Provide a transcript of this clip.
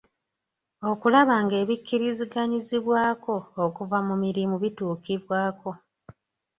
Okulaba ng'ebikkiriziganyizibwako okuva mu mirimu bituukibwako.